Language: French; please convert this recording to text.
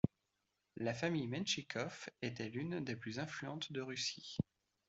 La famille Menchikov était l'une des plus influentes de Russie.